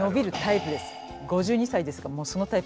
５２歳ですからそのタイプです私。